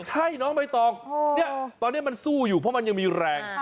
ใช่น้องใบตองเนี่ยตอนนี้มันสู้อยู่เพราะมันยังมีแรง